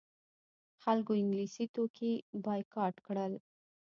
خلکو انګلیسي توکي بایکاټ کړل.